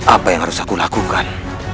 apa yang harus aku lakukan